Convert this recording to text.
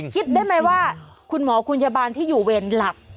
คิดได้ไหมว่าคุณหมอคุณพยาบาลที่อยู่เวรหลับ